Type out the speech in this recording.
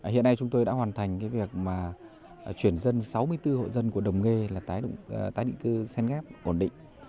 hiện nay chúng tôi đã hoàn thành việc chuyển dân sáu mươi bốn hộ dân của đồng nghề là tái định cư sen ghép ổn định